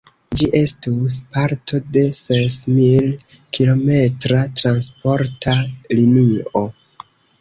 Ĝi estus parto de sesmil-kilometra transporta linio.